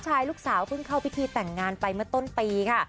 ชายลูกสาวเพิ่งเข้าพิธีแต่งงานไปเมื่อต้นปีค่ะ